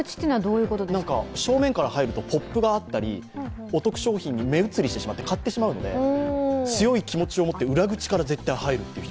正面から入るとポップがあったりお得商品があって買ってしまうので、強い気持ちを持って裏口から絶対入るという人。